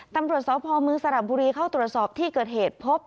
ตำรวจสพมสระบุรีเข้าตรวจสอบที่เกิดเหตุพบ